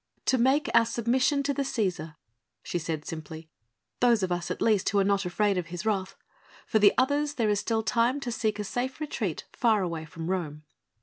"To make our submission to the Cæsar," she said simply, "those of us at least who are not afraid of his wrath. For the others there is still time to seek a safe retreat far away from Rome."